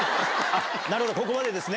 なるほど、ここまでですね。